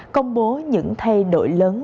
công bố những thay đổi lớn